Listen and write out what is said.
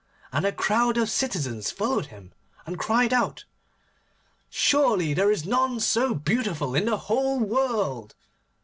and a crowd of citizens followed him, and cried out, 'Surely there is none so beautiful in the whole world!